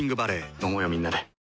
飲もうよみんなで。